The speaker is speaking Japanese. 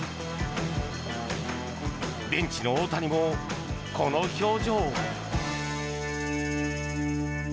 ベンチの大谷も、この表情。